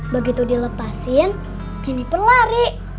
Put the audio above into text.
begitu dilepasin jennifer lari